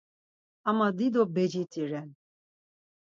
Ama dido beciti ren.